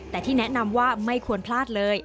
แต่ที่แนะนำว่าไม่ควรพลาดเลย